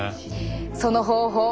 その方法